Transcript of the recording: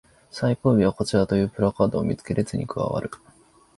最後尾はこちらというプラカードを見つけ列に加わる